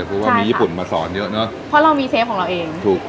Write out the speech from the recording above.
คือว่ามีญี่ปุ่นมาสอนเยอะเนอะเพราะเรามีเซฟของเราเองถูก